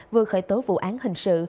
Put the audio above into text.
vừa khởi tố vụ án hình sự